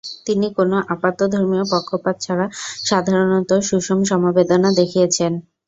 তিনি কোনো আপাত ধর্মীয় পক্ষপাত ছাড়া সাধারণত সুষম সমবেদনা দেখিয়েছেন।